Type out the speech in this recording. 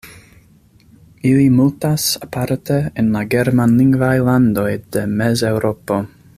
Ili multas aparte en la germanlingvaj landoj de Mezeŭropo.